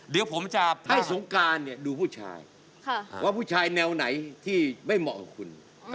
เดี๋ยวผมจะให้สงการดูผู้ชายว่าผู้ชายแนวไหนที่ไม่เหมาะกับคุณ